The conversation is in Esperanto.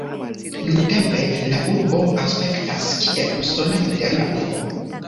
Nuntempe la urbo aspektas, kiel usona moderna urbo.